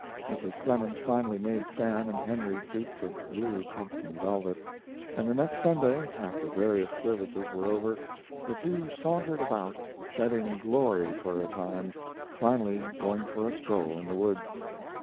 Mrs. Clemens finally made Sam and Henry suits of blue cotton velvet, and the next Sunday, after various services were over, the two sauntered about, shedding glory for a time, finally going for a stroll in the woods.